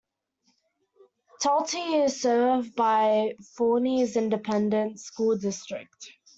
Talty is served by Forney Independent School District.